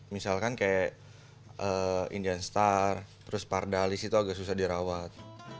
misalkan kayak indianstar terus pardalis itu agak susah dirawat